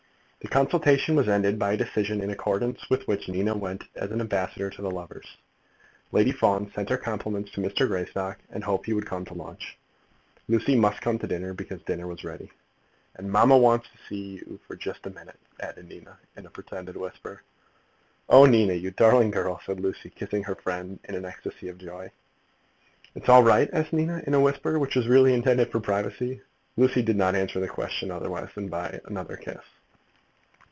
The consultation was ended by a decision in accordance with which Nina went as an ambassador to the lovers. Lady Fawn sent her compliments to Mr. Greystock, and hoped he would come in to lunch. Lucy must come in to dinner, because dinner was ready. "And mamma wants to see you just for a minute," added Nina, in a pretended whisper. "Oh, Nina, you darling girl!" said Lucy, kissing her young friend in an ecstasy of joy. "It's all right?" asked Nina in a whisper which was really intended for privacy. Lucy did not answer the question otherwise than by another kiss.